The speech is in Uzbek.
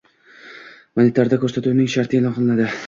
Monitorda ko‘rsatuvning sharti e’lon qilinadi.